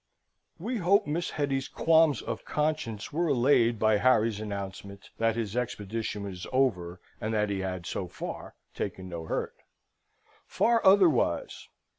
We hope Miss Hetty's qualms of conscience were allayed by Harry's announcement that his expedition was over, and that he had so far taken no hurt. Far otherwise.